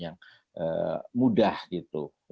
yang mudah gitu